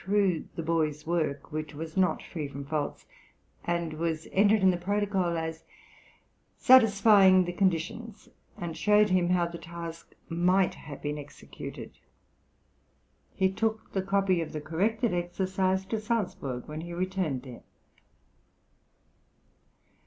"} (129) through the boy's work, which was not free from faults, and was entered in the protocol as "satisfying the conditions," and showed him how the task might have been executed; he took the copy of the corrected exercise to Salzburg when he returned there.